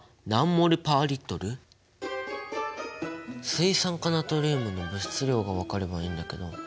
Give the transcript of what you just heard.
水酸化ナトリウムの物質量が分かればいいんだけど。